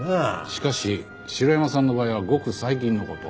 しかし城山さんの場合はごく最近の事。